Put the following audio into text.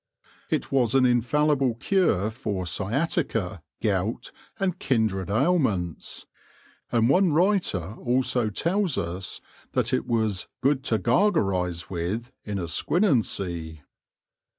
It was an infallible cure for sciatica, gout, and kindred ailments ; and one writer also tells us that it was " good to gargarize with in a Squinancy."